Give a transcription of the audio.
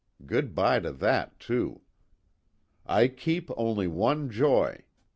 Good by to that too! " I keep only one joy.